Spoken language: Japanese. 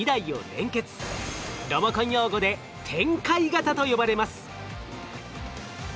ロボコン用語で「展開型」と呼ばれます。